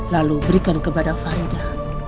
lalu berikan kepada farida